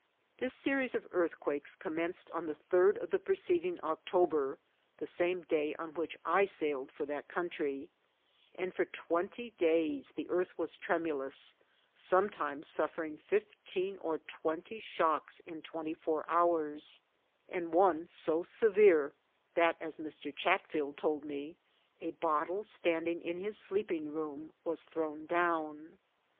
This series of earthquakes commenced on the third of the preceding October (the same day on which I sailed for that country), and for twenty days the earth was tremulous, sometimes suffering fifteen or twenty shocks in twenty four hours, and one so severe that, as Mr. Chatfield told me, a bottle standing in his sleeping room was thrown down.